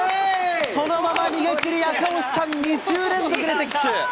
そのまま逃げ切り、赤星さん、２週連続で的中。